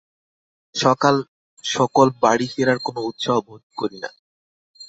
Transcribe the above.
সকাল-সকল বাড়ি ফেরার কোনো উৎসাহ বোধ করি না।